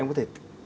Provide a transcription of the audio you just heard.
em có thể